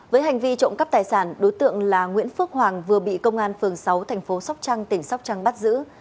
với hành vi trộm cắp tài sản đối tượng là nguyễn phước hoàng vừa bị công an phường sáu thành phố sóc trăng tỉnh sóc trăng bắt giữ